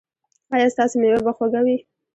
ایا ستاسو میوه به خوږه وي؟